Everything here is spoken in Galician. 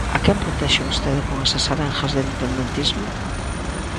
¿A quen protexe vostede con esas arengas de independentismo?